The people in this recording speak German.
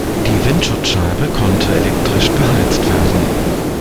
Die Windschutzscheibe konnte elektrisch beheizt werden.